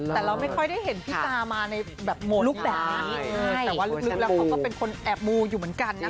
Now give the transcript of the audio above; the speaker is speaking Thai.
แต่เราไม่ค่อยได้เห็นพี่ตามาในแบบลุคแบบนี้แต่ว่าลึกแล้วเขาก็เป็นคนแอบมูอยู่เหมือนกันนะคะ